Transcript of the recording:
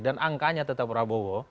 dan angkanya tetap prabowo